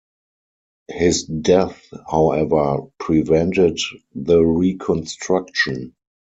His death, however, prevented the reconstruction.